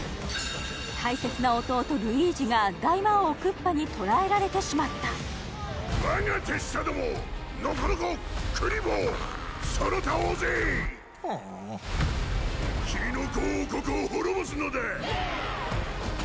大切な弟ルイージが大魔王クッパに捕らえられてしまった我が手下どもノコノコクリボーその他大勢キノコ王国を滅ぼすのだイエア！